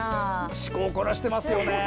趣向を凝らしていますよね。